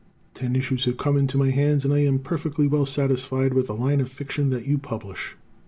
Ten issues have come into my hands and I am perfectly well satisfied with the line of fiction that you publish.